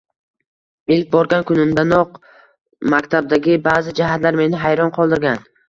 Ilk borgan kunimdanoq maktabdagi baʼzi jihatlar meni hayron qoldirgan.